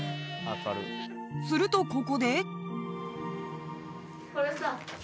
［するとここで］